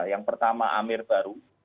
yang pertama amir baru